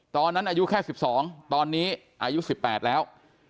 ตอนนั้นอายุแค่๑๒ตอนนี้อายุ๑๘แล้ว